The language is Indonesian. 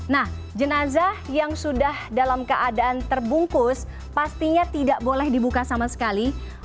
nah jenazah yang sudah dalam keadaan terbungkus pastinya tidak boleh dibuka sama sekali